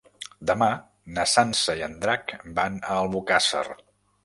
Demà na Sança i en Drac van a Albocàsser.